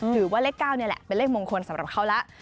ถือว่าเลข๙นี่แหละเป็นเลขมงคลสำหรับเขาแล้ว